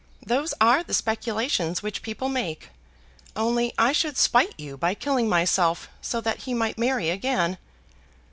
"Those are the speculations which people make. Only I should spite you by killing myself, so that he might marry again."